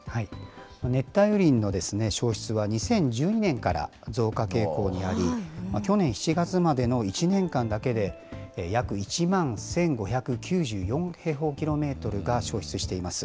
熱帯雨林の消失は２０１２年から増加傾向にあり、去年７月までの１年間だけで約１万１５９４平方キロメートルが、消失しています。